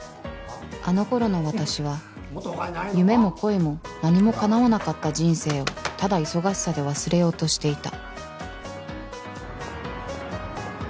あの頃の私は夢も恋も何もかなわなかった人生をただ忙しさで忘れようとしていた。